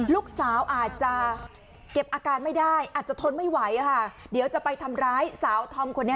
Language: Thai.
ลูกสาวอาจจะเก็บอาการไม่ได้อาจจะทนไม่ไหวค่ะเดี๋ยวจะไปทำร้ายสาวธอมคนนี้